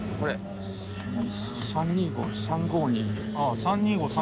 ああ３−２−５３−５−２。